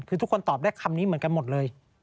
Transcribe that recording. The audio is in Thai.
คือทุกคนตอบได้คำนี้เหมือนกันหมดเลย